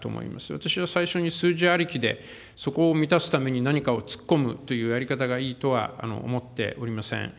私は最初に数字ありきで、そこを満たすために何かを突っ込むというやり方がいいとは思っておりません。